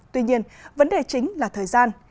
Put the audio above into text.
tuy nhiên vấn đề chính là thời gian